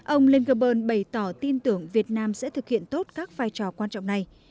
ông linkerburn bày tỏ tin tưởng việt nam sẽ thực hiện tốt các vai trò quan trọng này